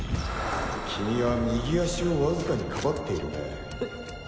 君は右足をわずかに庇っているね